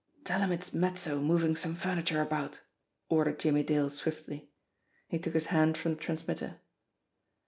"Tell him it's Mezzo moving some furniture about," ordered Jimmie Dale swiftly. He took his hand from the transmitter.